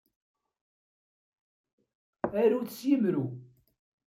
Arut s yemru.